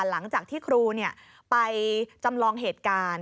หลังจากที่ครูไปจำลองเหตุการณ์